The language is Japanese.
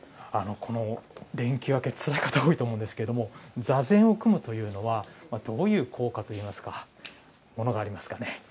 この連休明け、つらい方多いかと思いますけれども、座禅を組むというのは、どういう効果といいますか、ものがありますかね。